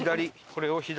これを左？